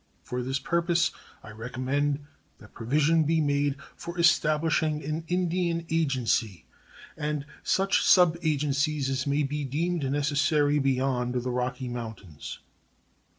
For this purpose I recommend that provision be made for establishing an Indian agency and such subagencies as may be deemed necessary beyond the Rocky Mountains.